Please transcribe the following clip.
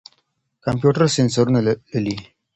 کمپيوټر سېنسرونه لولي.